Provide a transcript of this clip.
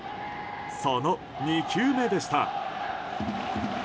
その２球目でした。